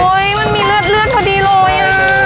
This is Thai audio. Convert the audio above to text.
โอ้ยมันมีเลือดพอดีเลยอ่ะ